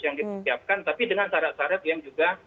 yang disiapkan tapi dengan syarat syarat yang juga